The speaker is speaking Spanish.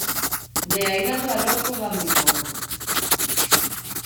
De airado a loco va muy poco.